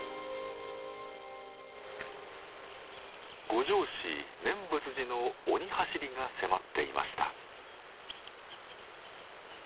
五條市念仏寺の鬼はしりが迫っていました。